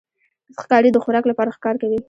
ښکاري د خوراک لپاره ښکار کوي.